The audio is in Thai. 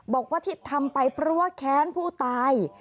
บอกว่าที่ทำไปเพราะว่าแค้นผู้ตาย